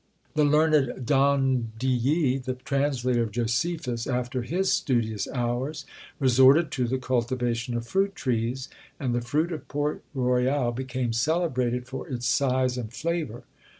The learned D'Andilly, the translator of Josephus, after his studious hours, resorted to the cultivation of fruit trees; and the fruit of Port Royal became celebrated for its size and flavour.